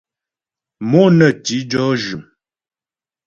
Mo nə ti jɔ́ jʉm.